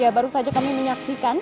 ya baru saja kami menyaksikan